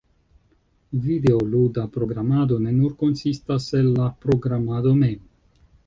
videoluda programado ne nur konsistas el la programado mem.